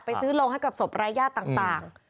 ไปซื้อโรงให้กับศพรายาทต่าง